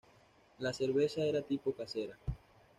La cerveza era tipo casera.